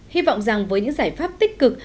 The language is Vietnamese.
hy vọng rằng với những giải pháp tích cực